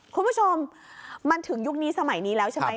คุณผู้ชมมันถึงยุคนี้สมัยนี้แล้วใช่ไหม